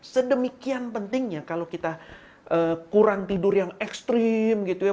sedemikian pentingnya kalau kita kurang tidur yang ekstrim gitu ya